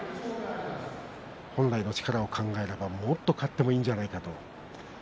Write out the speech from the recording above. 本来の力を考えるともっと勝ってもいいんじゃないかと。